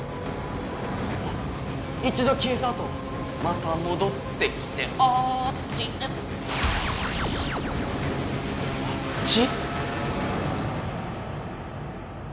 あっ一度きえたあとまたもどってきて「あっちへ」あっち？